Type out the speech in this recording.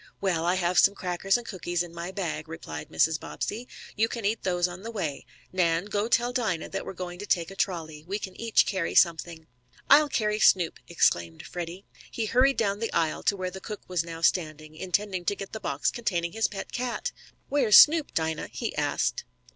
"Well, I have some crackers and cookies in my bag," replied Mrs. Bobbsey. "You can eat those on the way. Nan, go tell Dinah that we're going to take a trolley. We can each carry something." "I'll carry Snoop," exclaimed Freddie. He hurried down the aisle to where the cook was now standing, intending to get the box containing his pet cat. "Where's Snoop, Dinah?" he asked.